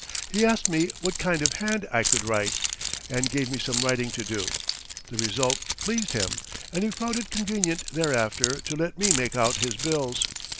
He asked me what kind of hand I could write, and gave me some writing to do. The result pleased him, and he found it convenient thereafter to let me make out his bills.